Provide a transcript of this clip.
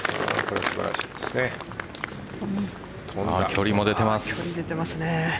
距離も出ています。